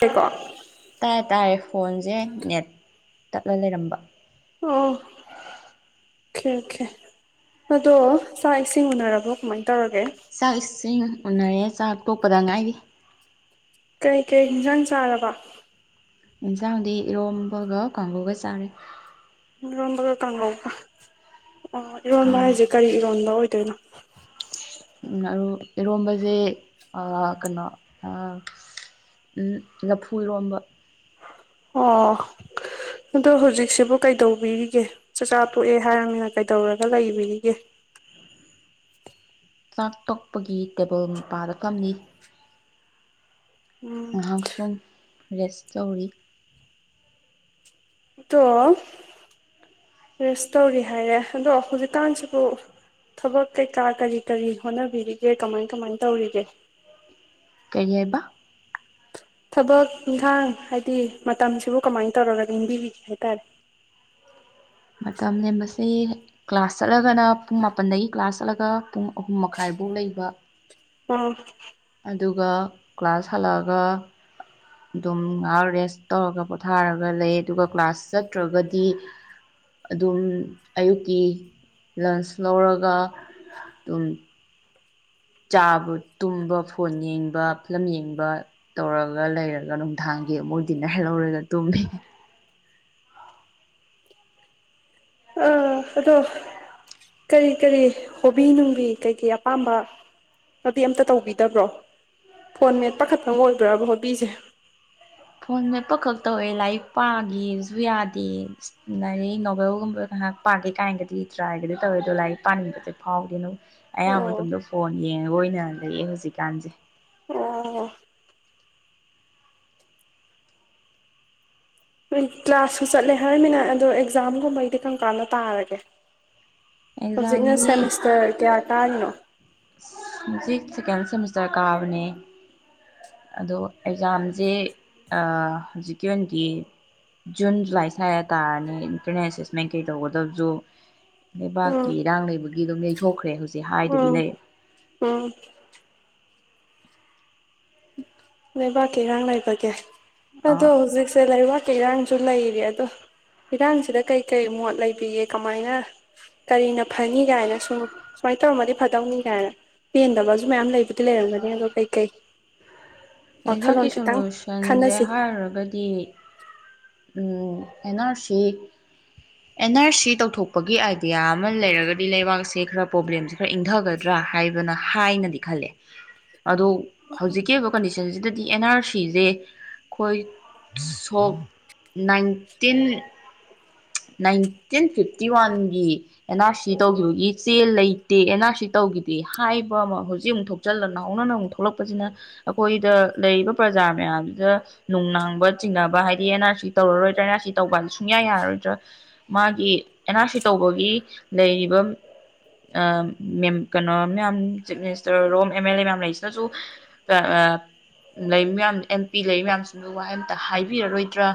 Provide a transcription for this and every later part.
ꯀꯣ ꯑꯣ ꯇꯥꯏ ꯇꯥꯔꯦ ꯐꯣꯟꯁꯦ ꯅꯦꯠ ꯇꯠꯂ ꯂꯩꯔꯝꯕ ꯑꯣ ꯑꯣꯀꯦ ꯑꯣꯀꯦ ꯑꯗꯣ ꯆꯥꯛ ꯏꯁꯤꯡ ꯎꯅꯔꯕꯣ ꯀꯃꯥꯏꯅ ꯇꯧꯔꯒꯦ ꯁꯏꯁꯤꯡ ꯎꯅꯔꯦ ꯆꯥꯛ ꯇꯣꯛꯄꯗ ꯉꯥꯏꯔꯤ ꯀꯩꯀꯩ ꯌꯦꯟꯁꯥꯡ ꯆꯥꯔꯕ ꯏꯟꯁꯥꯡꯗꯤ ꯏꯔꯣꯝꯕꯒ ꯀꯥꯡꯕꯨꯒ ꯆꯥꯔꯦ ꯝꯕꯒ ꯀꯕ ꯑꯣ ꯏꯔꯣꯟꯕ ꯍꯥꯏꯁꯦ ꯀꯔꯤ ꯏꯔꯣꯟꯕ ꯑꯣꯏꯗꯦ ꯇꯅ ꯏꯔꯣꯝꯕꯁꯦ ꯀꯩꯅꯣ ꯂꯐꯨ ꯏꯔꯣꯝꯕ ꯑꯣ ꯑꯗꯣ ꯍꯧꯖꯤꯛꯁꯤꯕꯨ ꯀꯩꯗꯧꯕꯤꯔꯤꯒꯦ ꯆꯥꯛꯆꯥ ꯇꯣꯛꯑꯦ ꯍꯥꯏꯔꯃꯤꯅ ꯀꯩꯗꯧꯔꯒ ꯂꯩꯕꯤꯔꯤꯒꯦ ꯆꯥꯛ ꯇꯛꯄꯒꯤ ꯇꯦꯕꯜ ꯃꯄꯥꯗ ꯀꯝꯅꯤ ꯎꯝ ꯉꯥꯏꯍꯥꯛ ꯁꯨꯝ ꯔꯦꯁ ꯇꯧꯔꯤ ꯑꯣ ꯔꯦꯁ ꯇꯧꯔꯤ ꯍꯥꯏꯔꯦ ꯑꯗꯣ ꯍꯧꯖꯤꯛꯀꯥꯟꯁꯤꯕꯨ ꯊꯕꯛ ꯀꯩꯀꯥ ꯀꯔꯤ ꯀꯔꯤ ꯍꯣꯠꯅꯕꯤꯔꯤꯒꯦ ꯀꯃꯥꯏ ꯀꯃꯥꯏ ꯇꯧꯔꯤꯒꯦ ꯀꯔꯤ ꯍꯥꯏꯕ ꯊꯕꯛ ꯏꯪꯈꯥꯡ ꯍꯥꯏꯗꯤ ꯃꯇꯝꯁꯤꯕꯨ ꯀꯃꯥꯏꯅ ꯇꯧꯔꯒ ꯂꯦꯡꯕꯤꯕꯤꯒꯦ ꯍꯥꯏꯇꯥꯔꯦ ꯃꯝꯅꯦꯁ ꯁꯤ ꯀ꯭ꯂꯥꯁ ꯆꯠꯂꯒꯅ ꯄꯨꯡ ꯃꯥꯄꯜꯗꯒꯤ ꯀ꯭ꯂꯥꯁ ꯆꯠꯂꯒ ꯄꯨꯡ ꯑꯍꯨꯝ ꯃꯈꯥꯏꯐꯧ ꯂꯩꯕ ꯑꯥ ꯑꯗꯨꯒ ꯀ꯭ꯂꯥꯁ ꯍꯜꯂꯛꯑꯒ ꯑꯗꯨꯝ ꯉꯥꯏꯍꯥꯛ ꯔꯦꯁ ꯇꯧꯔꯒ ꯄꯣꯊꯥꯔꯒ ꯂꯩ ꯑꯗꯨꯒ ꯀ꯭ꯂꯥꯁ ꯆꯠꯇ꯭ꯔꯒꯗꯤ ꯑꯗꯨꯝ ꯑꯌꯨꯛꯀꯤ ꯂꯟꯁ ꯂꯧꯔꯒ ꯑꯗꯨ ꯆꯥꯕ ꯇꯨꯝꯕ ꯐꯣꯟ ꯌꯦꯡꯕ ꯐꯤꯂꯝ ꯌꯦꯡꯕ ꯇꯧꯔꯒ ꯂꯩꯔꯒ ꯅꯨꯡꯗꯥꯡꯒꯤ ꯑꯃꯨꯣꯏ ꯗꯤꯟꯅꯔ ꯂꯧꯔꯒ ꯇꯨꯝꯃꯤ ꯑꯗꯣ ꯀꯔꯤ ꯀꯔꯤ ꯍꯣꯕꯤ ꯅꯨꯡꯕꯤ ꯀꯩꯀꯩ ꯑꯄꯥꯝꯕ ꯅꯨꯣꯕꯤ ꯑꯝꯇ ꯇꯧꯕꯤꯗꯕ꯭ꯔꯣ ꯐꯣꯟ ꯃꯦꯠ ꯄꯥꯈꯠꯐꯝ ꯑꯣꯏꯕ꯭ꯔꯕ ꯍꯣꯕꯤꯁꯦ ꯐꯣꯟ ꯃꯦꯞꯄ ꯈꯛ ꯇꯧꯋꯦ ꯂꯥꯏꯔꯤꯛ ꯄꯥꯒꯦꯁꯨ ꯌꯥꯗꯦ ꯂꯥꯏꯔꯤꯛ ꯅꯣꯕꯦꯜꯒꯨꯝꯕ ꯉꯥꯏꯍꯥꯛ ꯄꯥꯒꯦ ꯀꯥꯏꯅꯒꯗꯤ ꯇ꯭ꯔꯥꯏꯒꯗꯤ ꯇꯧꯋꯦ ꯑꯗꯣ ꯂꯥꯏꯔꯤꯛ ꯄꯥꯅꯤꯡꯕꯁꯨ ꯐꯥꯎꯗꯦꯅꯦ ꯑꯌꯥꯝꯕ ꯑꯣ ꯃꯇꯝꯗ ꯐꯣꯟ ꯌꯦꯡꯉꯒ ꯑꯣꯏꯅꯅ ꯌꯦ ꯍꯧꯖꯤꯛꯀꯥꯟꯖꯦ ꯑꯣ ꯀ꯭ꯂꯥꯁꯁꯨ ꯆꯠꯂꯦ ꯍꯥꯏꯔꯃꯤꯅ ꯑꯗꯣ ꯑꯦꯛꯖꯥꯝꯒꯨꯝꯕꯩꯗꯤ ꯀꯔꯝ ꯀꯥꯟꯗ ꯇꯥꯔꯒꯦ ꯍꯧꯖꯤꯛꯅ ꯑꯦꯛꯖꯥꯝꯗꯤ ꯁꯦꯃꯤꯁꯇꯔ ꯀꯌꯥ ꯀꯥꯔꯤꯅꯣ ꯍꯧꯖꯤꯛ ꯁꯦꯀꯦꯟ [inaudible] ꯀꯥꯕꯅꯦ ꯑꯗꯣ ꯑꯦꯛꯖꯥꯝꯖꯦ ꯑ ꯍꯧꯖꯤꯛꯀꯤ ꯑꯣꯏꯅꯗꯤ ꯖꯨꯟ ꯖꯨꯂꯥꯏ ꯁꯋꯥ ꯇꯥꯔꯅꯤ ꯏꯟꯇꯔꯅꯦꯜ ꯑꯦꯁꯦꯁꯃꯦꯟ ꯀꯩ ꯇꯧꯒꯗꯕꯁꯨ ꯂꯩꯕꯥꯛꯀꯤ ꯏꯔꯥꯡ ꯂꯩꯕꯒꯤꯗꯣ [inaudible] ꯊꯣꯛꯈ꯭ꯔꯦ ꯑꯥ ꯑꯝ [unintelligible] ꯂꯩꯕꯥꯛꯀꯤ ꯏꯔꯥꯡ ꯂꯩꯕꯒꯦ ꯑꯥ ꯑꯗꯣ ꯍꯧꯖꯤꯛꯁꯦ ꯂꯩꯕꯥꯛꯀꯤ ꯏꯔꯥꯡ ꯁꯨ ꯂꯩꯔꯤ ꯑꯗꯣ ꯏꯔꯥꯡꯁꯤꯗ ꯀꯩꯀꯩ ꯃꯣꯠ ꯂꯩꯕꯤꯒꯦ ꯀꯃꯥꯏꯅ ꯀꯔꯤꯅ ꯐꯅꯤ ꯀꯥꯏꯅ ꯁꯨꯝ ꯁꯨꯃꯥꯏꯅ ꯇꯧꯔꯝꯃꯗꯤ ꯐꯗꯧꯅꯤ ꯀꯥꯏꯅ ꯄꯦꯟꯗꯕꯁꯨ ꯃꯌꯥꯝ ꯂꯩꯕꯗꯤ ꯂꯩꯔꯝꯒꯅꯤ ꯑꯗꯣ ꯀꯩꯀꯩ ꯑꯩꯕꯀꯤ ꯋꯥꯈꯜꯂꯣꯟ ꯈꯤꯇꯪ ꯁꯣꯂꯨꯁꯟꯁꯦ ꯈꯟꯅꯁꯤ ꯍꯥꯏꯔꯨꯔꯒꯗꯤ N R C N R C ꯇꯧꯊꯣꯛꯄꯒꯤ ꯑꯥꯏꯗꯤꯌꯥ ꯑꯃ ꯂꯩꯔꯒꯗꯤ ꯂꯩꯕꯥꯛꯁꯦ ꯈꯔ ꯄ꯭ꯔꯣꯕ꯭ꯂꯦꯝꯁꯦ ꯈꯔ ꯏꯪꯊꯒꯗ꯭ꯔꯥ ꯍꯥꯏꯕꯅ ꯍꯥꯏꯅꯗꯤ ꯈꯜꯂꯦ ꯑꯗꯣ ꯍꯧꯖꯤꯛꯀꯤ ꯑꯣꯏꯕ ꯁꯤꯗꯗꯤ ꯑꯦꯟ ꯑꯥꯔ ꯁꯤꯁꯦ ꯑꯩꯈꯣꯏ ꯁꯣꯛ ꯅꯥꯏꯇꯤꯟ ꯅꯥꯏꯟꯇꯤꯟ ꯐꯤꯐꯇꯤ ꯋꯥꯟꯒꯤ ꯑꯦꯟ ꯑꯥꯔ ꯁꯤ ꯇꯧꯈꯤꯕꯒꯤ ꯆꯦ ꯂꯩꯇꯦ ꯑꯦꯟ ꯑꯥꯔ ꯁꯤ ꯇꯧꯈꯤꯗꯦ ꯍꯥꯏꯕ ꯑꯃ ꯍꯧꯖꯤꯛ ꯑꯃꯨꯛ ꯊꯣꯛꯆꯜꯂ ꯅꯍꯧꯅꯅ ꯑꯃꯨꯛ ꯊꯣꯛꯂꯛꯄꯁꯤꯅ ꯑꯩꯈꯣꯏꯗ ꯂꯩꯔꯤꯕ ꯄ꯭ꯔꯖꯥ ꯃꯌꯥꯝꯁꯤꯗ ꯅꯨꯡꯅꯥꯡꯕ ꯆꯤꯡꯅꯕ ꯍꯥꯏꯗꯤ ꯑꯦꯟ ꯑꯥꯔ ꯁꯤ ꯇꯧꯔꯔꯣꯏꯗ꯭ꯔꯥ ꯑꯦꯟ ꯑꯥꯔ ꯁꯤ ꯇꯧꯕꯗ ꯁꯨꯡꯌꯥ ꯌꯥꯔꯔꯣꯏꯗ꯭ꯔꯥ ꯃꯥꯒꯤ ꯑꯦꯟ ꯑꯥꯔ ꯁꯤ ꯇꯧꯕꯒꯤ ꯂꯩꯔꯤꯕ ꯑ ꯀꯩꯅꯣ ꯃꯌꯥꯝ ꯆꯤꯞ ꯃꯤꯅꯤꯁꯇꯔ ꯔꯣꯝ ꯑꯦꯝ ꯑꯦꯜ ꯑꯦ ꯃꯌꯥꯝ ꯂꯩꯁꯤꯅꯁꯨ ꯂꯩ ꯃꯌꯥꯝ ꯑꯦꯝ ꯄꯤ ꯂꯩ ꯃꯌꯥꯝꯁꯤꯡꯗꯨ ꯋꯥꯍꯩ ꯑꯃꯇ ꯍꯥꯏꯕꯤꯔꯔꯣꯏꯗ꯭ꯔꯥ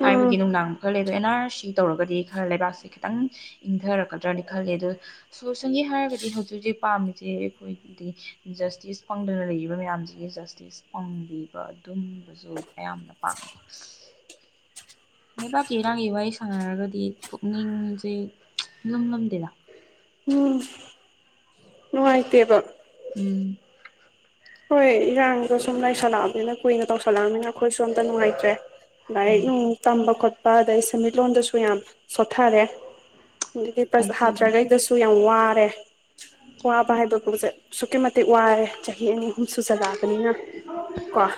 ꯎꯝ ꯍꯥꯏꯕꯒꯤ ꯅꯨꯡꯗꯥꯡ ꯈꯔ ꯂꯩ ꯑꯗꯣ ꯑꯦꯟ ꯑꯥꯔ ꯁꯤ ꯇꯧꯔꯒꯗꯤ ꯈꯔ ꯂꯩꯕꯥꯛꯁꯦ ꯈꯤꯇꯪ ꯏꯪꯊꯔꯛꯀꯗ꯭ꯔꯅ ꯈꯜꯂꯤ ꯑꯗꯣ ꯁꯣꯁꯟꯂꯤ ꯍꯥꯏꯔꯒꯗꯤ ꯍꯧꯖꯤꯛ ꯍꯧꯖꯤꯛ ꯄꯥꯝꯃꯤꯁꯦ ꯑꯩꯈꯣꯏꯗꯤ ꯖꯁꯇꯤꯁ ꯐꯪꯗꯅ ꯂꯩꯔꯤꯕ ꯃꯌꯥꯝꯖꯦ ꯖꯁꯇꯤꯁ ꯑꯣꯡꯕꯤꯕ ꯑꯗꯨꯝꯕꯁꯨ ꯑꯌꯥꯝꯅ ꯄꯥꯝꯃꯦꯀꯣ ꯂꯩꯕꯥꯛꯀꯤ ꯏꯔꯥꯡꯒꯤ ꯋꯥꯔꯤ ꯁꯥꯟꯅꯔꯒꯗꯤ ꯄꯨꯛꯅꯤꯡꯖꯦ ꯂꯨꯝꯂꯝꯨꯝꯗꯦꯗ ꯎꯝ ꯅꯨꯉꯥꯏꯇꯦꯕ ꯎꯝ ꯍꯣꯏ ꯏꯔꯥꯡꯗꯣ ꯁꯨꯝ ꯂꯩꯁꯜꯂꯛꯑꯕꯅꯤꯅ ꯀꯨꯏꯅ ꯇꯧꯁꯜꯂꯛꯑꯕꯅꯤꯅ ꯑꯩꯈꯣꯏꯁꯨ ꯑꯝꯇ ꯅꯨꯡꯉꯥꯏꯇ꯭ꯔꯦ ꯂꯥꯏꯔꯤꯛ ꯎꯝ ꯅꯨꯡ ꯇꯝꯕ ꯈꯣꯠꯄ ꯄꯥ ꯑꯗꯩ ꯁꯦꯟꯃꯤꯠꯂꯣꯟꯗꯁꯨ ꯌꯥꯝ ꯁꯣꯠꯊꯔꯦ ꯑꯗꯒꯤ ꯑꯗꯨꯒꯤ ꯁꯥꯇ꯭ꯔꯒꯩꯗꯁꯨ ꯌꯥꯝ ꯁꯣꯠꯊꯔꯦ ꯋꯥꯔꯦ ꯀꯋꯥꯕ ꯍꯥꯏꯗꯣ ꯀꯣꯡꯆꯠ ꯑꯁꯨꯛꯀꯤ ꯃꯇꯤꯛ ꯋꯥꯔꯦ ꯆꯍꯤ ꯑꯅꯤ [unintelligible] ꯀꯣ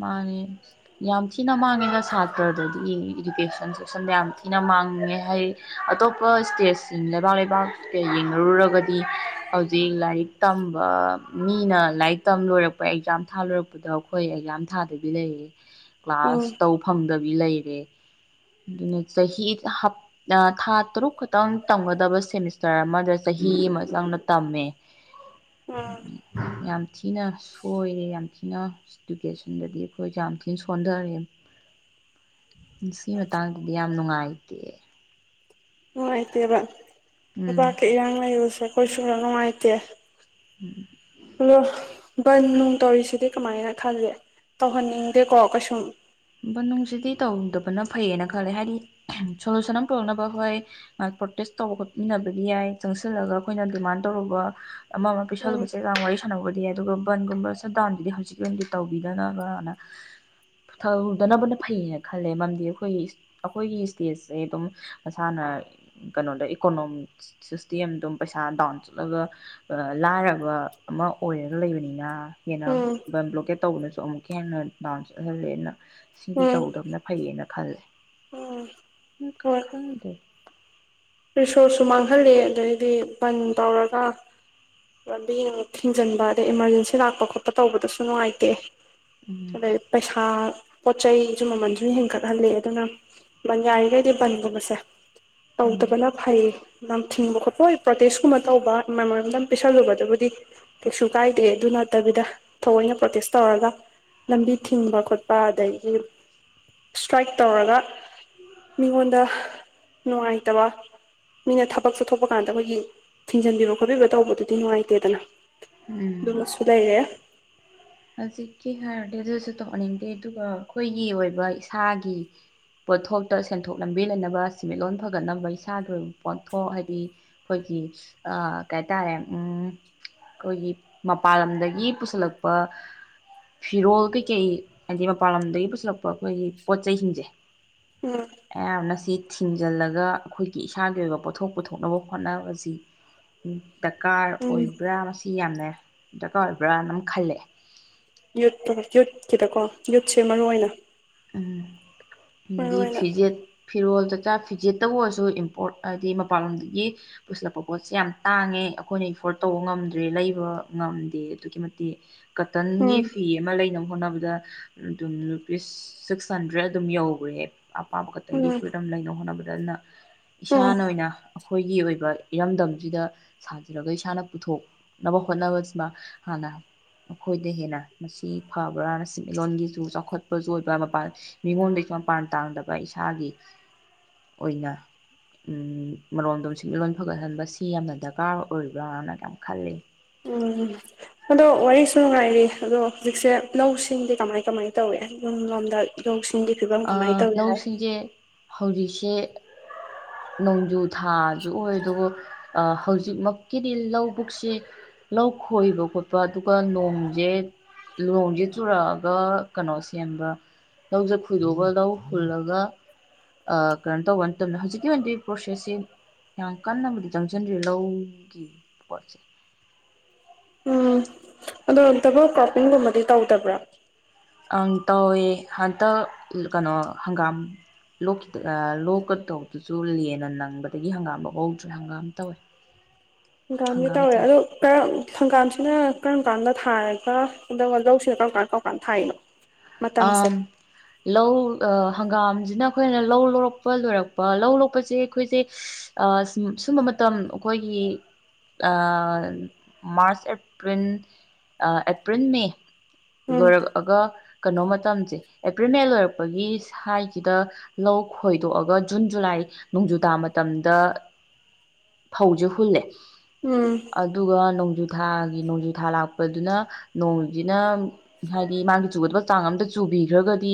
ꯃꯥꯅꯦ ꯌꯥꯝ ꯊꯤꯅ ꯃꯥꯡꯉꯦꯗ ꯁꯥꯇ꯭ꯔꯗꯗꯤ ꯏꯗꯨꯀꯦꯁꯟ ꯁꯦꯛꯁꯟꯗ ꯌꯥꯝ ꯊꯤꯅ ꯃꯥꯡꯉꯦ ꯍꯥꯏ ꯑꯇꯣꯞꯄ ꯏꯁꯇꯦꯠꯁꯤꯡ ꯂꯩꯕꯥꯛ ꯂꯩꯕꯥꯛꯀ ꯌꯦꯡꯅꯔꯨꯔꯒꯗꯤ ꯍꯧꯖꯤꯛ ꯂꯥꯏꯔꯤꯛ ꯇꯝꯕ ꯃꯤꯅ ꯂꯥꯏꯔꯤꯛ ꯇꯝꯕ ꯂꯣꯏꯔꯛꯄ ꯑꯦꯛꯖꯥꯝ ꯊꯥ ꯂꯨꯔꯛꯄꯗꯣ ꯑꯩꯈꯣꯏ ꯑꯛꯖꯥꯝ ꯊꯥꯗꯕꯤ ꯂꯩꯌꯦ꯫ ꯀ꯭ꯂꯥꯁ ꯎꯝ ꯇꯧ ꯐꯪꯗꯕꯤ ꯂꯩ ꯑꯗꯨꯅ ꯆꯍꯤ ꯍꯞ ꯊꯥ ꯇꯔꯨꯛ ꯈꯛꯇꯪ ꯇꯝꯒꯗꯕ ꯁꯦꯃꯤꯁꯇꯔ ꯑꯃꯗ ꯆꯍꯤ ꯑꯃ ꯆꯪꯅ ꯇꯝꯃꯦ꯫ ꯎꯝ ꯌꯥꯝ ꯊꯤꯅ ꯁꯣꯏꯌꯦ ꯌꯥꯝ ꯌꯥꯝ ꯊꯤꯅ ꯏꯗꯨꯀꯦꯁꯟꯗꯗꯤ ꯑꯩꯈꯣꯏ ꯌꯥꯝ ꯊꯤꯅ ꯁꯣꯟꯊꯔꯦ꯫ ꯁꯤ ꯃꯇꯥꯡꯗꯗꯤ ꯌꯥꯝ ꯅꯨꯡꯉꯥꯏꯇꯦ꯫ ꯅꯨꯉꯥꯏꯇꯦꯕ ꯫ ꯎꯝ ꯂꯩꯕꯥꯛ ꯀꯤ ꯏꯔ꯭ꯥꯡ ꯂꯩꯕꯁꯦ꯫ ꯍꯣꯏ ꯁꯨꯛ ꯅꯨꯡꯉꯥꯏꯇꯦ꯫ ꯑꯂꯣ ꯕꯥꯟ ꯅꯨꯡ ꯇꯧꯔꯤꯁꯤꯗꯤ ꯀꯃꯥꯏꯅ ꯈꯜꯂꯦ? ꯇꯧꯍꯟꯅꯤꯡꯗꯦꯀꯣ ꯀꯩꯁꯨꯝ ꯫ ꯕꯟ ꯅꯨꯡꯁꯤꯗꯤ ꯇꯧꯗꯕꯅ ꯐꯩꯌꯦꯅ ꯈꯜꯂꯦ ꯍꯥꯏꯗꯤ ꯁꯣꯂꯨꯁꯟ ꯑꯃ ꯄꯨꯔꯛꯅꯕ ꯑꯩꯈꯣꯏ ꯉꯥꯏ ꯄ꯭ꯔꯣꯇꯦꯁ ꯇꯧꯕ ꯈꯣꯠꯃꯤꯟꯅꯕꯗꯤ ꯌꯥꯏ ꯆꯪꯁꯤꯜꯂꯒ ꯑꯩꯈꯣꯏꯅ ꯗꯤꯃꯥꯟ ꯇꯧꯔꯨꯕ ꯑꯃ - ꯑꯃ ꯎꯝ ꯄꯤꯁꯜꯂꯨꯕꯁꯦꯒꯥꯡ ꯋꯥꯔꯤ ꯁꯥꯟꯅꯕꯗꯤ ꯌꯥꯏ ꯑꯗꯨꯒ ꯕꯟꯒꯨꯝꯕ ꯁꯠ ꯗꯥꯎꯟꯗꯨꯗꯤ ꯍꯧꯖꯤꯛꯀꯤ ꯑꯣꯏꯅꯗꯤ ꯇꯧꯕꯤꯗꯅꯕꯅ ꯊꯧꯗꯅꯕꯅ ꯐꯩꯌꯦꯅ ꯈꯜꯂꯦ ꯃꯔꯝꯗꯤ ꯑꯩꯈꯣꯏꯒꯤ ꯑꯩꯈꯣꯏꯒꯤ ꯁ꯭ꯇꯦꯠꯁꯦ ꯑꯗꯨꯝ ꯃꯁꯥꯅ ꯀꯩꯅꯣꯗ ꯏꯀꯣꯅꯣꯃꯤꯛ ꯁꯤꯁꯇꯦꯝ ꯑꯗꯨꯝ ꯄꯩꯁꯥ ꯗꯥꯎꯟ ꯆꯠꯂꯒ ꯂꯥꯏꯔꯕ ꯑꯃ ꯑꯣꯏꯔꯒ ꯂꯩꯕꯅꯤꯅ꯫ ꯍꯦꯟꯅꯥ ꯎꯝ ꯕꯟ ꯕ꯭ꯂꯣꯀꯦꯠ ꯇꯧꯕꯅꯁꯨ ꯑꯃꯨꯛꯀ ꯍꯦꯟꯅ ꯗꯥꯟꯁ ꯑꯣꯏꯍꯜꯂꯦꯅ꯫ ꯁꯤꯗꯤ ꯎꯝ ꯇꯧꯗꯕꯅ ꯐꯩꯌꯦꯅ ꯈꯜꯂꯦ ꯎꯝ ꯈꯪꯗꯦ ꯁꯣꯔꯁꯨ ꯃꯥꯡꯍꯜꯂꯤ ꯑꯗꯩꯗꯤ ꯕꯟ ꯇꯧꯔꯒ ꯂꯝꯕꯤ ꯑꯃꯨꯛ ꯊꯤꯡꯖꯟꯕ ꯑꯗꯩ ꯏꯃꯥꯔꯖꯦꯟꯁꯤ ꯂꯥꯛꯄ ꯈꯣꯠꯄ ꯇꯧꯕꯗꯁꯨ ꯅꯨꯡꯉꯥꯏꯇꯦ꯫ ꯎꯝ ꯑꯗꯩ ꯄꯁꯥ ꯄꯣꯠ ꯆꯩꯖꯨ ꯃꯃꯟ ꯁꯨꯝ ꯍꯦꯟꯒꯠꯍꯜꯂꯤ ꯑꯗꯨꯅ ꯕꯟ ꯌꯥꯔꯤꯒꯩꯗꯤ ꯕꯟꯒꯨꯝꯕꯁꯦ ꯎꯝ ꯇꯧꯗꯕꯅ ꯐꯩ ꯌꯥꯝ ꯊꯤꯡꯕ ꯈꯣꯠꯄ ꯑꯣꯏ ꯄ꯭ꯔꯣꯇꯦꯁꯀꯨꯝꯕ ꯇꯧꯕ ꯃꯦꯃꯣꯔꯦꯟꯗꯝ ꯄꯤꯁꯜꯂꯨꯕꯗꯨꯕꯨꯗꯤ ꯀꯩꯁꯨ ꯀꯥꯏꯗꯦ ꯑꯗꯨ ꯅꯠꯇꯕꯤꯗ ꯊꯑꯣꯏꯅ ꯄ꯭ꯔꯣꯇꯦꯁ ꯇꯧꯔꯒ ꯂꯝꯕꯤ ꯊꯤꯡꯕ ꯈꯣꯠꯄ ꯑꯗꯒꯤ ꯏꯁ꯭ꯇ꯭ꯔꯥꯏꯛ ꯇꯧꯔꯒ ꯃꯤꯉꯣꯟꯗ ꯅꯨꯡꯉꯥꯏꯇꯕ ꯃꯤꯅ ꯊꯕꯛ ꯆꯠꯊꯣꯛꯄ ꯀꯥꯟꯗ ꯑꯩꯈꯣꯏꯒꯤ ꯊꯤꯡꯖꯤꯟꯕꯤꯕ ꯈꯣꯠꯄꯤꯕ ꯇꯧꯕꯗꯨ ꯗꯤ ꯅꯨꯡꯉꯥꯏꯇꯦꯗꯅ ꯎꯝ ꯑꯗꯨꯃꯁꯨ ꯂꯩꯔꯦ ꯍꯧꯖꯤꯛꯀꯤ ꯍꯥꯏꯔꯗꯤ ꯑꯗꯨꯁꯨ ꯇꯧꯍꯟꯅꯤꯡꯗꯦ ꯑꯗꯨꯒ ꯑꯈꯣꯏꯒꯤ ꯑꯣꯏꯕ ꯏꯁꯥꯒꯤ ꯄꯣꯠꯊꯣꯛꯇ ꯁꯦꯟꯊꯣꯛ ꯂꯝꯕꯤ ꯂꯩꯅꯕ ꯁꯦꯟꯃꯤꯠꯂꯣꯟ ꯐꯒꯠꯅꯕ ꯏꯁꯥꯒꯤ ꯑꯣꯏꯕ ꯄꯣꯠꯊꯣꯛ ꯍꯥꯏꯗꯤ ꯑꯈꯣꯏꯒꯤ ꯀꯩꯍꯥꯏꯇꯥꯔꯦ ꯑꯈꯣꯏꯒꯤ ꯃꯄꯥꯟ ꯂꯝꯗꯒꯤ ꯄꯨꯁꯤꯜꯂꯛ ꯄ ꯐꯤꯔꯣꯜ ꯀꯩꯀꯩ ꯍꯥꯏꯗꯤ ꯃꯄꯥꯟ ꯂꯝꯗꯒꯤ ꯄꯨꯁꯤꯜꯂꯛꯄ ꯑꯩꯈꯣꯏꯒꯤ ꯄꯣꯠ ꯆꯩꯁꯤꯡꯖꯦ ꯎꯝ ꯑꯌꯥꯝꯕꯅ ꯁꯤꯠ ꯊꯤꯡꯖꯜꯂꯒ ꯑꯈꯣꯏꯒꯤ ꯏꯁꯥꯒꯤ ꯑꯣꯏꯕ ꯄꯣꯠꯊꯣꯛ ꯄꯨꯊꯣꯛꯅꯕ ꯍꯣꯠꯅꯕꯁꯤ ꯀꯥꯔ ꯎꯝ ꯑꯣꯏꯕ꯭ꯔꯥ ꯁꯤ ꯌꯥꯝꯅ ꯗꯔꯀꯥꯔ ꯑꯣꯏꯕ꯭ꯔꯅ ꯑꯃ ꯈꯜꯂꯦ ꯌꯨꯠꯇꯣ ꯌꯨꯠꯀꯤꯗꯀꯣ ꯌꯨꯠꯁꯦ ꯃꯔꯨꯑꯣꯏ ꯑꯣꯏꯅ ꯎꯝ ꯃꯔꯨ ꯗꯤ ꯑꯣꯏꯅ ꯐꯤꯖꯦꯠ ꯐꯤꯔꯣꯜ ꯆꯥꯛꯆꯥ ꯐꯤꯖꯦꯠꯇꯕꯨ ꯑꯣꯏꯔꯁꯨ ꯏꯝꯄꯣꯔꯠ ꯍꯥꯏꯕꯗꯤ ꯃꯄꯥꯟꯂꯣꯝꯗꯒꯤ ꯄꯨꯁꯤꯜꯂꯛꯄ ꯄꯣꯠꯁꯦ ꯌꯥꯝ ꯇꯥꯡꯉꯦ ꯑꯩꯈꯣꯏꯅ ꯏꯐꯣꯔꯠ ꯇꯧꯕ ꯉꯝꯗ꯭ꯔꯦ ꯂꯩꯕ ꯉꯝꯗꯦ ꯑꯗꯨꯛꯀꯤ ꯃꯇꯤꯛ ꯀꯇꯟꯒꯤ ꯎꯝ ꯐꯤ ꯑꯃ ꯂꯩꯅꯝ ꯍꯣꯠꯅꯕꯗ ꯑꯗꯨꯝ ꯂꯨꯄꯤꯁ ꯁꯤꯛꯁ ꯍꯟꯗ꯭ꯔꯦꯗ ꯑꯗꯨꯝ ꯌꯧꯒꯔ꯭ꯦ ꯑꯄꯥꯝꯕ ꯀꯇꯟꯒꯤ ꯎꯝ ꯐꯨꯔꯤꯠꯑꯃ ꯂꯩꯅꯕ ꯍꯣꯠꯅꯕꯗ ꯑꯗꯨꯅ ꯎꯝ ꯏꯁꯥꯅ ꯑꯣꯏꯅ ꯑꯩꯈꯣꯏꯒꯤ ꯑꯣꯏꯕ ꯏꯔꯝꯗꯝꯁꯤꯗ ꯁꯥꯖꯔꯒ ꯏꯁꯥꯅ ꯄꯨꯊꯣꯛꯅꯕ ꯍꯣꯠꯅꯕꯁꯤꯃ ꯍꯥꯟꯅ ꯑꯈꯣꯏꯗ ꯍꯦꯟꯅ ꯃꯁꯤ ꯐꯕ꯭ꯔꯥꯅ ꯁꯦꯟꯃꯤꯠꯂꯣꯟꯒꯤꯖꯨ ꯆꯥꯎꯈꯠꯄꯖꯨ ꯑꯣꯏꯕ ꯄꯥꯠ ꯃꯤꯉꯣꯟꯗꯁꯨ ꯃꯄꯥꯟ ꯇꯥꯡꯗꯕ ꯏꯁꯥꯒꯤ ꯑꯣꯏꯅ ꯃꯔꯣꯝꯗꯣꯝ ꯁꯦꯟꯃꯤꯠꯂꯣꯟ ꯐꯒꯠꯍꯟ ꯁꯤ ꯌꯥꯝꯅ ꯗꯔꯀꯥꯔ ꯑꯣꯏꯕ꯭ꯔꯥꯅ ꯌꯥꯝ ꯈꯜꯂꯤ ꯎꯝ ꯑꯗꯣ ꯋꯥꯔꯤꯁꯨ ꯅꯨꯡꯉꯥꯏꯔꯤ ꯑꯗꯣ ꯍꯧꯖꯤꯛꯁꯦ ꯂꯧꯁꯤꯡꯗꯤ ꯀꯃꯥꯏ ꯀꯃꯥꯏꯅ ꯇꯧꯏ ꯌꯨꯝ ꯂꯣꯝꯗ ꯂꯧꯁꯤꯡ ꯆꯤꯡꯒꯤ ꯐꯤꯕꯝ ꯀꯃꯥꯏ ꯇꯧꯔꯤ ꯍꯥꯏ ꯂꯧꯁꯤꯡꯁꯦ ꯍꯧꯖꯤꯛꯁꯦ ꯅꯣꯡꯖꯨ ꯊꯥꯖꯨ ꯑꯣꯏ ꯑꯗꯨꯒ ꯑꯥ ꯍꯧꯖꯤꯛꯃꯛꯀꯤꯗꯤ ꯂꯧꯕꯕꯨꯛꯁꯦ ꯂꯧ ꯈꯣꯏꯕ ꯈꯣꯠꯄ ꯑꯗꯨꯒ ꯅꯣꯡꯖꯦ ꯂꯣꯡꯖꯦ ꯆꯨꯔꯛꯑꯒ ꯀꯩꯅꯣ ꯁꯦꯝꯕ ꯂꯧꯁ ꯈꯣꯏꯗꯣꯛꯑ ꯂꯧ ꯍꯨꯜꯂꯒ ꯀꯩꯅꯣ ꯇꯧꯕ ꯅꯠꯇꯝꯅꯤꯅ ꯍꯧꯖꯤꯛꯀꯤ ꯑꯣꯏꯅꯗꯤ ꯄ꯭ꯔꯣꯁꯦꯁꯁꯦ ꯌꯥꯝ ꯀꯟꯅꯕꯨꯗꯤ ꯆꯪꯖꯟꯗ꯭ꯔꯤ ꯂꯧꯒꯤ ꯄꯣꯠꯁꯦ ꯎꯝ ꯑꯗꯣ ꯗꯕꯜ ꯀ꯭ꯔꯣꯞꯄꯤꯡꯒꯨꯝꯕꯗꯤ ꯇꯧꯗꯕ꯭ꯔꯥ ꯑꯪ ꯇꯧꯋꯦ ꯍꯟꯇꯛ ꯀꯩꯅꯣ ꯍꯪꯒꯥꯝ ꯂꯣꯈꯤ ꯑꯥ ꯂꯣꯛꯀꯗꯧꯕꯗꯨꯖꯨ ꯂꯦꯟꯅ ꯅꯪꯕꯗꯒꯤ ꯍꯪꯒꯥꯝ ꯂꯣꯛꯍꯧꯗ꯭ꯔꯦ ꯍꯪꯒꯥꯝ ꯇꯧꯋꯦ ꯍꯪꯒꯥꯝꯒꯤ ꯍꯪꯒꯥꯝ ꯇꯧꯏ ꯊꯥꯏ ꯑꯗꯨꯗꯣ ꯀꯔꯝ ꯍꯪꯒꯥꯝꯁꯤꯅ ꯀꯔꯝ ꯀꯥꯟꯗ ꯊꯥꯔꯒ ꯑꯗꯨꯒ ꯂꯧꯁꯤꯅ ꯀꯔꯝ ꯀꯥꯟꯗ ꯀꯔꯝ ꯀꯥꯟꯗ ꯊꯥꯏꯔꯤꯅꯣ ꯑ ꯂꯧꯧ ꯑ ꯍꯪꯒꯥꯝꯁꯤꯅ ꯑꯩꯈꯣꯏꯅ ꯂꯧ ꯂꯧꯔꯛꯄ ꯂꯣꯏꯔꯛꯄ ꯂꯧ ꯂꯣꯛꯄꯁꯦ ꯑꯩꯈꯣꯏꯁꯦ ꯁꯨꯝꯕ ꯃꯇꯝ ꯑꯩꯈꯣꯏꯒꯤ ꯃꯥꯔꯁ ꯑꯦꯄ꯭ꯔꯤꯜ ꯑꯦꯄ꯭ꯔꯤꯜ ꯃꯦ ꯎꯝ ꯔ ꯑꯒ ꯀꯩꯅꯣ ꯃꯇꯝꯁꯦ ꯑꯦꯄ꯭ꯔꯤꯜ ꯃꯦ ꯂꯣꯏꯔꯛꯄꯒꯤ ꯁ꯭ꯋꯥꯏꯁꯤꯗ ꯂꯧ ꯈꯣꯏꯗꯣꯛꯑꯒ ꯖꯨꯟ ꯖꯨꯂꯥꯏ ꯅꯣꯡꯖꯨ ꯇꯥ ꯃꯇꯝꯗ ꯐꯧꯁꯦ ꯍꯨꯜꯂꯦ ꯎꯝ ꯑꯗꯨꯒ ꯅꯣꯡꯖꯨꯊꯥꯒꯤ ꯅꯣꯡꯖꯨꯊꯥ ꯂꯥꯛꯄꯗꯨꯅ ꯅꯣꯡꯨꯁꯤꯅ ꯍꯥꯏꯗꯤ ꯃꯥꯒꯤ ꯆꯨꯒꯗꯕ ꯍꯛꯆꯥꯡ ꯑꯝꯇ ꯆꯨꯕꯤꯈ꯭ꯔꯒꯗꯤ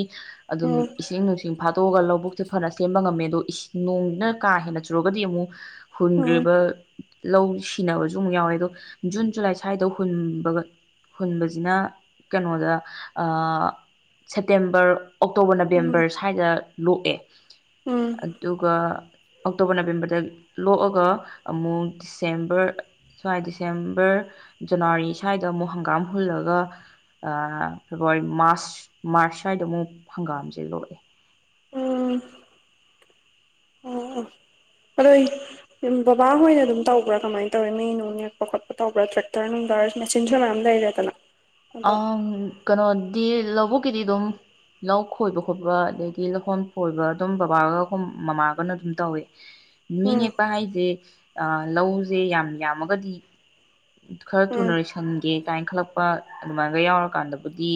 ꯑꯗꯨꯝ ꯎꯝ ꯏꯁꯤꯡ ꯅꯨꯡꯁꯤꯡ ꯐꯥꯠꯇꯣꯛꯑꯒ ꯂꯧꯕ ꯦ ꯐꯅ ꯁꯦꯝꯕ ꯉꯝꯃꯦ ꯑꯗꯣ ꯅꯣꯡꯅ ꯀꯥ ꯍꯦꯟꯅ ꯆꯨꯔꯒꯗꯤ ꯑꯃꯨꯛ ꯎꯝ ꯍꯨꯟꯈ꯭ꯔꯤꯕ ꯂꯧ ꯁꯤꯅꯕꯁꯨ ꯑꯃꯨꯛ ꯌꯥꯎꯋꯦ ꯑꯗꯣ ꯖꯨꯟ ꯖꯨꯂꯥꯏ ꯁ꯭ꯋꯥꯏꯗ ꯍꯨꯟꯕꯒ ꯍꯨꯟꯕꯁꯤꯅ ꯀꯩꯅꯣꯗ ꯁꯦꯞꯇꯦꯝꯕꯔ ꯑꯣꯛꯇꯣꯕꯔ ꯎꯝ ꯅꯕꯦꯝꯕꯔ ꯁ꯭ꯋꯥꯏꯗ ꯂꯣꯛꯑꯦ ꯎꯝ ꯑꯗꯨꯒ ꯑꯣꯛꯇꯣꯕꯔ ꯅꯕꯦꯝꯕꯔꯗ ꯂꯣꯛꯑꯒ ꯑꯃꯨꯛ ꯗꯤꯁꯦꯝꯕꯔ ꯁ꯭ꯋꯥꯏ ꯗꯤꯁꯦꯝꯕꯔ ꯖꯅꯋꯥꯔꯤ ꯁ꯭ꯋꯥꯏꯗ ꯑꯃꯨꯛ ꯍꯪꯒꯥꯝ ꯍꯨꯜꯂꯒ ꯐꯦꯕꯋꯥꯔꯤ ꯃꯥꯔꯁ ꯃꯥꯔꯁ ꯁ꯭ꯋꯥꯏꯗ ꯑꯃꯨꯛ ꯍꯪꯒꯥꯝꯁꯦ ꯂꯣꯛꯑꯦ ꯎꯝ ꯑꯣ ꯑꯣ ꯑꯗꯣ ꯕꯕꯥꯍꯣꯏꯅ ꯑꯗꯨꯝ ꯇꯧꯕ꯭ꯔꯥ ꯀꯃꯥꯏꯅ ꯇꯧꯋꯦ ꯃꯤ ꯅꯨꯡ ꯅꯦꯛꯄ ꯈꯣꯠꯄ ꯇꯧꯕ꯭ꯔꯥ ꯇ꯭ꯔꯦꯛꯇꯔ ꯅꯨꯡꯗꯥꯔ ꯃꯦꯆꯤꯟꯁꯨ ꯃꯌꯥꯝ ꯂꯩꯔꯦꯗꯅ ꯑ ꯑꯗꯣ ꯀꯩꯅꯣꯗꯤ ꯂ ꯊꯕꯛꯀꯤꯗꯤ ꯑꯗꯨꯝ ꯂꯧ ꯈꯣꯏꯕ ꯈꯣꯠꯄ ꯑꯗꯒꯤ ꯂꯧꯈꯣꯟ ꯈꯣꯏꯕ ꯑꯗꯨꯝ ꯕꯕꯥꯒ ꯃꯃꯥꯒꯅ ꯑꯗꯨꯝ ꯇꯧꯏ ꯃꯤꯅꯦ ꯎꯝ ꯄꯍꯖꯦ ꯂꯧꯁꯦ ꯌꯥꯝ ꯌꯥꯝꯃꯒꯗꯤ ꯈꯔ ꯊꯨꯅ ꯎꯝ ꯂꯣꯏꯁꯟꯒꯦ ꯀꯥꯏꯅ ꯈꯜꯂꯛꯄ ꯑꯗꯨꯃꯥꯏꯒ ꯌꯥꯎꯔꯀꯥꯟꯗꯕꯨꯗꯤ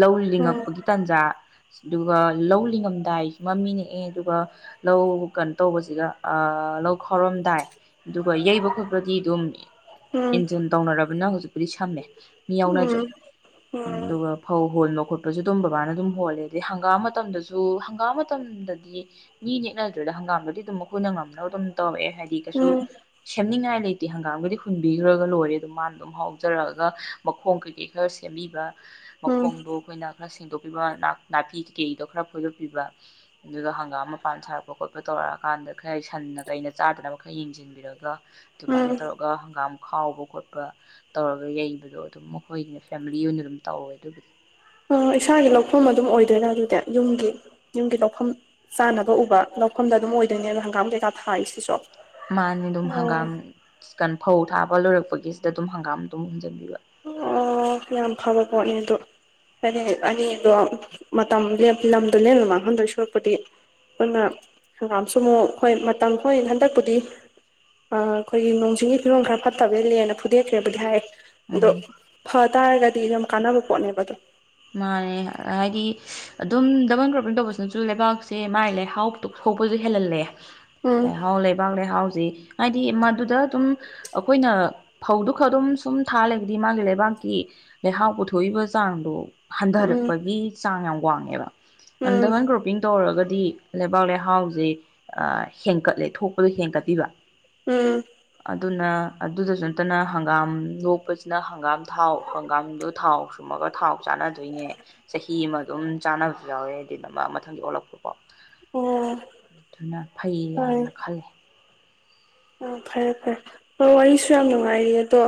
ꯂꯧ ꯎꯝ ꯂꯤꯡꯉꯛꯄꯒꯤ ꯇꯥꯟꯖꯥ ꯑꯗꯨꯒ ꯂꯧ ꯂꯤꯡꯉꯝꯗꯥꯏꯁꯤ ꯃ ꯃꯤ ꯅꯦꯛꯑꯦ ꯑꯗꯨꯒ ꯂꯧ ꯀꯩꯅꯣ ꯇꯧꯕꯁꯤꯒ ꯂꯧ ꯈꯥꯎꯔꯝꯗꯥꯏ ꯑꯗꯨꯒ ꯌꯩꯕ ꯈꯣꯠꯄꯗꯤ ꯑꯗꯨꯝ ꯎꯝ ꯏꯟꯖꯤꯟ ꯇꯧꯅꯔꯕꯅꯤꯅ ꯍꯧꯖꯤꯛ ꯄꯨꯄ꯭ꯔꯤ ꯁꯝꯃꯦ ꯃꯤ ꯌꯥꯎꯅꯗ꯭ꯔꯦ ꯎꯝ ꯑꯗꯨꯒ ꯐꯧ ꯍꯣꯜ ꯈꯣꯠꯄꯁꯨ ꯑꯗꯨꯝ ꯕꯕꯥꯅ ꯑꯗꯨꯝ ꯍꯣꯜꯂꯦ ꯑꯗꯩ ꯍꯪꯒꯥꯝ ꯃꯇꯝꯗꯁꯨ ꯍꯪꯒꯥꯝ ꯃꯇꯝꯗꯗꯤ ꯃꯤ ꯅꯦꯛꯅꯗ꯭ꯔꯦꯗ ꯍꯪꯒꯥꯝꯗꯗꯤ ꯑꯗꯨꯝ ꯑꯩꯈꯣꯏꯅ ꯉꯝꯅꯕ ꯑꯗꯨꯝ ꯇꯧꯔꯛꯑꯦ ꯍꯥꯏꯗꯤ ꯎꯝ ꯀꯩꯁꯨ ꯎꯝ ꯁꯦꯝꯅꯤꯡꯉꯥꯏ ꯂꯩꯦ ꯍꯪꯒꯥ ꯀꯒꯗꯤ ꯍꯣꯏ ꯄꯕꯤꯈ꯭ꯔꯒ ꯂꯣꯏꯔꯦ ꯑꯗꯨ ꯃꯥꯅ ꯑꯗꯨꯝ ꯍꯥꯎꯖꯔꯛꯑꯒ ꯃꯈꯣꯡ ꯀꯩꯀꯩ ꯈꯔ ꯁꯦꯝꯕꯤꯕ꯭ꯔ ꯎꯝ ꯃꯈꯣꯡꯗꯣ ꯑꯩꯈꯣꯏꯅ ꯈꯔ ꯁꯦꯡꯗꯣꯛꯄꯤꯕ ꯅꯥꯄꯤ ꯀꯦꯗꯣ ꯈꯔ ꯐꯣꯏꯗꯣꯛꯄꯤꯕ ꯑꯗꯨꯒ ꯍꯪꯒꯥꯝ ꯃꯄꯥꯟ ꯁꯥꯔꯛꯄ ꯈꯣꯠꯄ ꯇꯧꯔꯛꯑꯀꯥꯟꯗ ꯈꯔ ꯁꯟꯅ ꯀꯩꯅ ꯆꯥꯗꯅꯕ ꯈꯔ ꯌꯦꯡꯁꯤꯟꯕꯤꯔꯒ ꯑꯗꯨꯨꯃꯥꯏꯅ ꯇꯧꯔ ꯍꯪꯒꯥꯝ ꯈꯥꯎꯕ ꯈꯣꯠꯄ ꯇꯧꯔꯒ ꯌꯩꯕꯗꯣ ꯑꯗꯨꯝ ꯃꯈꯣꯏꯒꯤꯅ ꯐꯦꯃꯤꯂꯤ ꯑꯣꯏꯅ ꯑꯗꯨꯝ ꯇꯧꯔꯋꯦ ꯑꯗꯨꯒꯤꯗꯤ ꯏꯁꯥꯒꯤ ꯂꯧꯐꯝ ꯑꯗꯨꯝ ꯑꯣꯏꯗꯣꯏꯔꯥ ꯑꯗꯨꯗꯤ ꯌꯨꯝꯒꯤ ꯌꯨꯝꯒꯤ ꯂꯧꯐꯝ ꯆꯥꯅꯕ ꯎꯕ ꯂꯧꯐꯝꯗ ꯑꯗꯨꯝ ꯑꯣꯏꯗꯣꯏꯅꯦ ꯑꯗꯣ ꯍꯪꯒꯥꯝ ꯀꯩꯀꯥ ꯊꯥꯔꯤꯁꯤꯁꯨ ꯃꯥꯅꯤ ꯑꯗꯨꯝ ꯑꯣ ꯍꯪꯒꯥꯝ ꯀꯟ ꯐꯧ ꯊꯥꯕ ꯑꯋꯥ ꯂꯣꯏꯔꯛꯄꯒꯤꯗ ꯑꯗꯨꯝ ꯍꯪꯒꯥꯝ ꯑꯗꯨꯝ ꯍꯟꯖꯤꯟꯕꯤꯕ ꯑꯣ ꯑꯣ ꯌꯥꯝ ꯐꯕ ꯄꯣꯠꯅꯦ ꯑꯗꯣ ꯍꯥꯏꯗꯤ ꯑꯅꯤꯗꯣ ꯃꯇꯝ ꯂꯝꯗꯣ ꯂꯦꯝꯅ ꯃꯥꯡꯍꯟꯗꯣꯏ ꯁꯨꯔꯛꯄꯨꯗꯤ ꯑꯗꯨꯅ ꯍꯪꯒꯥꯝꯁꯨ ꯑꯃꯨꯛ ꯍꯣꯏ ꯃꯇꯝ ꯍꯣꯏ ꯍꯟꯗꯛꯄꯨꯗꯤ ꯑꯩꯈꯣꯏꯒꯤ ꯅꯣꯡ ꯆꯤꯡꯒꯤ ꯐꯤꯕꯣꯝ ꯈꯔ ꯐꯠꯇꯕ ꯍꯦꯜꯂꯦꯅ ꯐꯨꯗꯦꯛꯈ꯭ꯔꯦꯕꯨꯗꯤ ꯍꯥꯏ ꯑꯗꯣ ꯎꯝ ꯐ ꯇꯥꯔꯒꯗꯤ ꯌꯥꯝ ꯀꯥꯟꯅꯕ ꯄꯣꯠꯅꯦꯕ ꯑꯗꯣ ꯃꯥꯅꯦ ꯍꯥꯏꯗꯤ ꯑꯗꯨꯝ ꯗꯕꯜ ꯀ꯭ꯔꯣꯞꯄꯤꯡ ꯇꯧꯕꯁꯤꯅꯁꯨ ꯂꯩꯕꯥꯛꯁꯦ ꯃꯥꯥꯏ ꯂꯩ ꯍꯥꯎ ꯁꯣꯛꯄꯁꯨ ꯍꯦꯜꯍꯜꯂꯦ ꯎꯝ ꯂꯩꯍꯥꯎ ꯂꯩꯕꯥꯛ ꯂꯩꯍꯥꯎꯁꯤ ꯍꯥꯏꯗꯤ ꯃꯗꯨꯗ ꯑꯗꯨꯝ ꯑꯩꯈꯣꯏꯅ ꯐꯧꯗꯨ ꯈ ꯑꯗꯨꯝ ꯁꯨꯝ ꯊꯥꯂꯒꯗꯤ ꯃꯥꯒꯤ ꯂꯩꯕꯥꯛꯀꯤ ꯂꯩꯍꯥꯎ ꯄꯨꯊꯣꯛꯏꯕ ꯆꯥꯡꯗꯣ ꯎꯝ ꯍꯟꯊꯔꯛꯄꯒꯤ ꯆꯥꯡ ꯌꯥꯝ ꯋꯥꯡꯉꯦꯕ ꯎꯝ ꯑꯟꯗꯃꯟ ꯒ꯭ꯔꯣꯄꯤꯡ ꯇꯧꯔꯒ ꯗꯤ ꯂꯩꯕꯥꯛ ꯂꯩꯍꯥꯎꯁꯦ ꯍꯦꯟꯀꯠꯂꯦ ꯊꯣꯛꯄꯗꯣ ꯍꯦꯟꯀꯠꯄꯤꯕ ꯎꯝ ꯑꯗꯨꯅ ꯑꯗꯨꯗꯁꯨ ꯅꯠꯇꯅ ꯍꯪꯒꯥꯝ ꯂꯣꯛꯄꯁꯤꯅ ꯍꯪꯒꯥꯝ ꯊꯥꯎ ꯍꯪꯒꯥꯝꯗꯣ ꯊꯥꯎ ꯁꯨꯝꯃꯒ ꯊꯥꯎ ꯆꯅꯗꯣꯏꯅꯦ ꯆꯍꯤ ꯑꯃ ꯑꯗꯨꯝ ꯆꯥꯅꯕꯁꯨ ꯌꯥꯎꯋꯦ ꯗꯤꯟ ꯑꯃ ꯃꯊꯪꯒꯤ ꯑꯣꯜꯂꯛꯄ ꯀ ꯑꯣ ꯑꯗꯨꯅ ꯐꯩ ꯌꯥꯝꯅ ꯈꯂꯦ ꯑꯥ ꯐꯔꯦ ꯐꯔꯦ ꯍꯣꯏ ꯋꯥꯔꯤꯁꯨ ꯌꯥꯝ ꯅꯨꯡꯉꯥꯏꯔꯤ ꯑꯗꯣ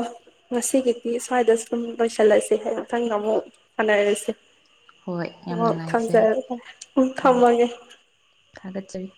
ꯉꯁꯤꯒꯤꯗꯤ ꯁ꯭ꯋꯥꯏꯗ ꯁꯨꯝ ꯂꯣꯏꯁꯤꯜꯂꯁꯦ ꯑꯩ ꯃꯊꯪꯗ ꯑꯃꯨꯛ ꯁꯥꯟꯅꯔꯁꯦ ꯍꯣꯏ ꯌꯥꯝ ꯑꯣ ꯅꯨꯡꯉꯥꯏꯖꯩ ꯊꯝꯖꯔꯦ ꯎ ꯑꯣ ꯊꯝꯃꯒꯦ ꯊꯥꯒꯠꯆꯔꯤ